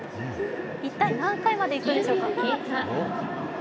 一体何回までいくんでしょうか。